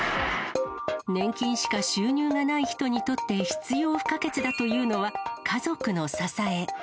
年金しか収入がない人にとって必要不可欠だというのは、家族の支え。